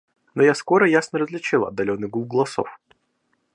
Но я скоро ясно различил отдаленный гул голосов.